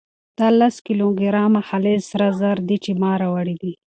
دا لس کيلو ګرامه خالص سره زر دي چې ما راوړي دي.